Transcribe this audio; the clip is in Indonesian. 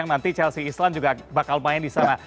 yang nanti chelsea island juga bakal main di sana